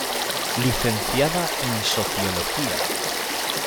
Licenciada en Sociología.